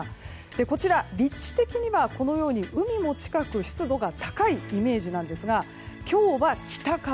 こちら、立地的には海も近く湿度が高いイメージなんですが今日は、北風。